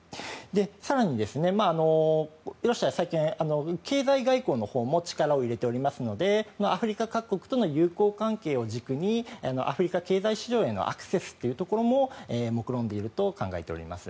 更に、ロシアは最近経済外交のほうも力を入れておりますのでアフリカ各国との友好関係を軸にアフリカ経済市場へのアクセスというところももくろんでいると考えています。